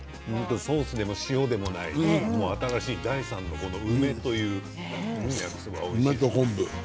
ソースでも塩でもない新しい第３の梅という焼きそばおいしいです。